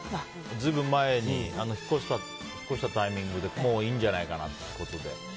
随分前に引っ越したタイミングでもういいんじゃないかなって。